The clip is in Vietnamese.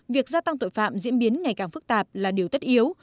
việc gia tăng tội phạm diễn biến ngày càng phức tạp là điều tất yếu